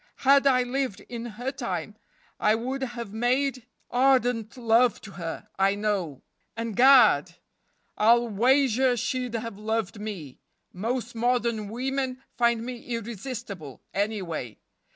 Had I lived in her time I would have made ardent love to her, I know; and, gad! I'll wager she'd have loved me. Most modern women find me irresistible, anyway.